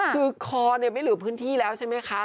คือคอไม่เหลือพื้นที่แล้วใช่ไหมคะ